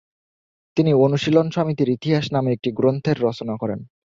তিনি অনুশীলন সমিতির ইতিহাস নামে একটি গ্রন্থের রচনা করেন।